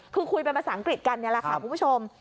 คือคุยเป็นภาษาอังกฤษกันนี่แหละค่ะคุณผู้ชม